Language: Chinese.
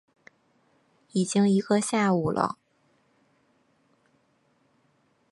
已经一个下午了